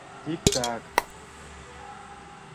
— Тик-так.